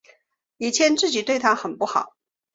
以前自己对她很不好